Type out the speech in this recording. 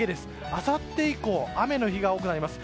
あさって以降雨の日が多くなります。